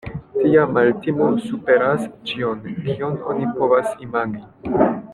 Tia maltimo superas ĉion, kion oni povas imagi.